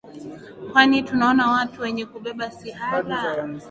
kwani tunaona watu wenye kubeba sihala